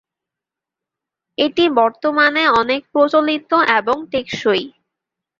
এটি বর্তমানে অনেক প্রচলিত এবং টেকসই।